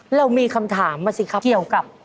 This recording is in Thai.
เรามีคำถามมาสิครับเกี่ยวกับ